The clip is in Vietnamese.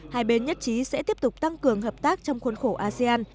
hai bên nhất trí sẽ tiếp tục tăng cường hợp tác trong khuôn khổ asean